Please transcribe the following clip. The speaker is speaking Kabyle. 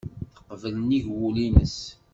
Teqbel nnig wul-nnes.